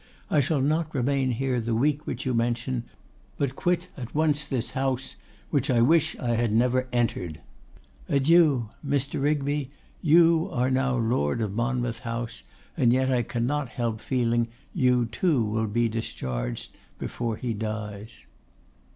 I shall not remain here the week which you mention, but quit at once this house, which I wish I had never entered. Adieu! Mr. Rigby, you are now lord of Monmouth House, and yet I cannot help feeling you too will be discharged before he dies.